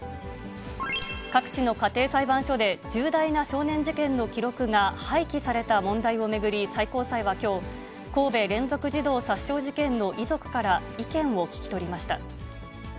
各地の家庭裁判所で、重大な少年事件の記録が廃棄された問題を巡り、最高裁はきょう、神戸連続児童殺傷事件の遺族から意見を聞き取りました。